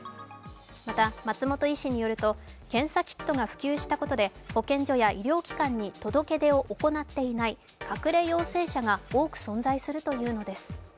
また、松本医師によると検査キットが普及したことで保健所や医療機関に届け出を行っていない隠れ陽性者が多く存在するというのです。